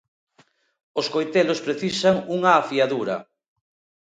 Os coitelos precisan unha afiadura.